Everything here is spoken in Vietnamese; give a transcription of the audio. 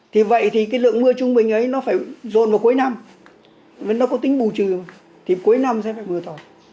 thì vậy thì cái lượng mưa trung bình ấy nó phải rồn vào cuối năm nó có tính bù trừ thì cuối năm sẽ phải mưa to